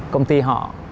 công ty họ